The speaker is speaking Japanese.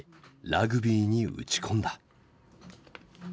ラグビーに打ち込んだ。